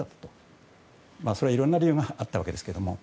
それはいろんな理由があったわけですけども。